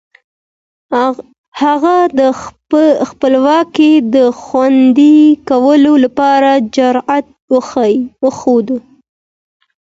هغه د خپلواکۍ د خوندي کولو لپاره جرئت وښود.